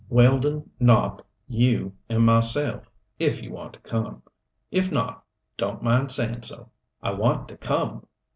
"Weldon, Nopp, you and myself if you want to come. If not, don't mind saying so." "I want to come!"